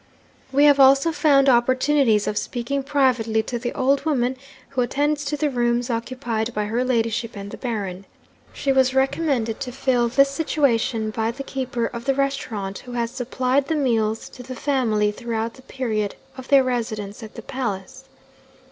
'We have also found opportunities of speaking privately to the old woman who attends to the rooms occupied by her ladyship and the Baron. She was recommended to fill this situation by the keeper of the restaurant who has supplied the meals to the family throughout the period of their residence at the palace.